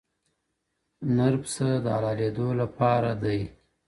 o نر پسه د حلالېدو له پاره دئ.